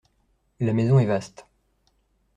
La maison est vaste.